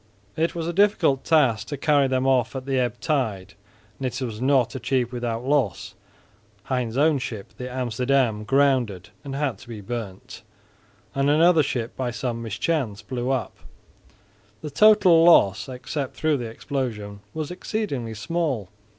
It was a difficult task to carry them off at the ebb tide, and it was not achieved without loss. Hein's own ship, the Amsterdam, grounded and had to be burnt, and another ship by some mischance blew up. The total loss, except through the explosion, was exceedingly small.